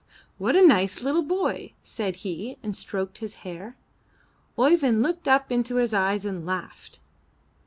'What a nice little boy!" said he and stroked his hair. Oeyvind looked up into his eyes and laughed.